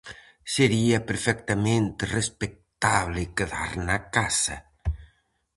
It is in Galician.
Sería perfectamente respectable quedar na casa.